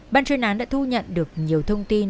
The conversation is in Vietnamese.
ban chuyên án đã thu nhận được nhiều thông tin